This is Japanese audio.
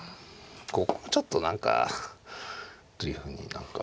ここもちょっと何かというふうに何か。